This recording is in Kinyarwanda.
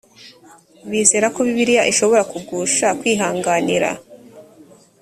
bizera ko bibiliya ishobora kugufasha kwihanganira